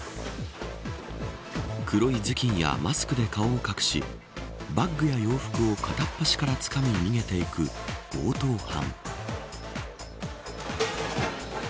黒い頭巾やマスクで顔を隠しバッグや洋服を片っ端からつかみ逃げていく強盗犯。